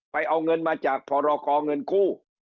เอาเงินมาจากพรกรเงินกู้